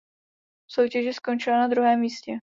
V soutěži skončila na druhém místě.